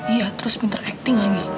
iya terus pinter acting nyanyi